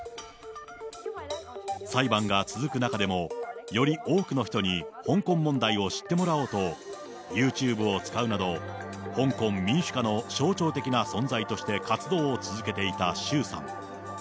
裁判が続く中でも、より多くの人に香港問題を知ってもらおうと、ユーチューブを使うなど、香港民主化の象徴的な存在として活動を続けていた周さん。